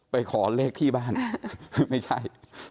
ขอเลขที่บ้านไม่ใช่